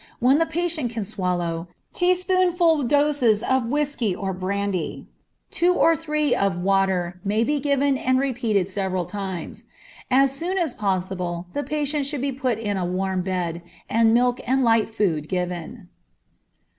When the patient can swallow, teaspoonful doses of brandy or whiskey, to two or three of water, may be given and repeated several times. As soon as possible the patient should be put in a warm bed, and milk and light food given.